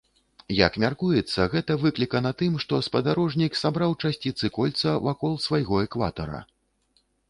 Як мяркуецца, гэта выклікана тым, што спадарожнік сабраў часціцы кольца вакол свайго экватара.